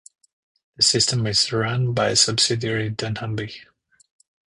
The system is run by a subsidiary Dunnhumby.